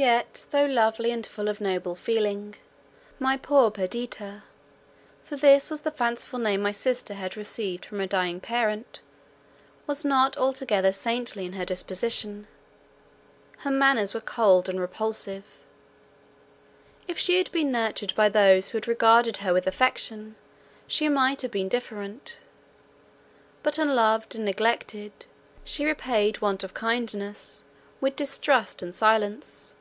Yet though lovely and full of noble feeling, my poor Perdita (for this was the fanciful name my sister had received from her dying parent), was not altogether saintly in her disposition. Her manners were cold and repulsive. If she had been nurtured by those who had regarded her with affection, she might have been different; but unloved and neglected, she repaid want of kindness with distrust and silence.